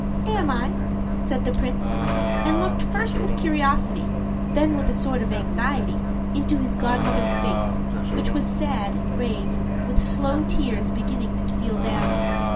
"Am I?" said the Prince, and looked first with curiosity, then with a sort of anxiety, into his godmother's face, which was sad and grave, with slow tears beginning to steal down.